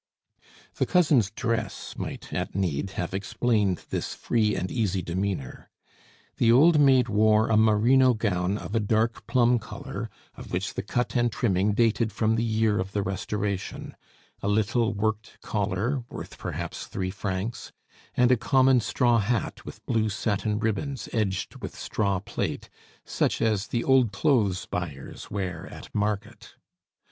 The cousin's dress might, at need, have explained this free and easy demeanor. The old maid wore a merino gown of a dark plum color, of which the cut and trimming dated from the year of the Restoration; a little worked collar, worth perhaps three francs; and a common straw hat with blue satin ribbons edged with straw plait, such as the old clothes buyers wear at market.